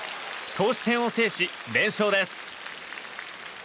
投手戦を制し連勝です。